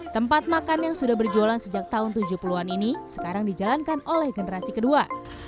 tempat makan yang sudah berjualan sejak tahun tujuh puluh an ini sekarang dijalankan oleh generasi kedua